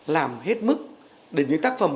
làm hết mức để những tác phẩm